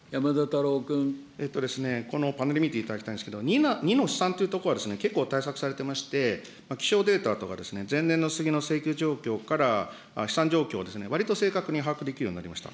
えっと、このパネル見ていただきたいんですけれども、２の飛散というところは、結構対策されていまして、気象データとか前年のスギのせいけい状況から飛散状況をわりと正確に把握できるようになりました。